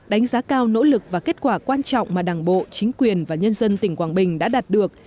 đánh giá cao nỗ lực và kết quả quan trọng mà đảng bộ chính quyền và nhân dân tỉnh quảng bình đã đạt được